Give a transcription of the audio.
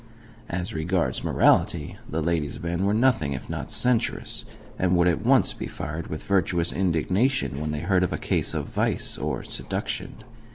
As regards morality, the ladies of N. were nothing if not censorious, and would at once be fired with virtuous indignation when they heard of a case of vice or seduction.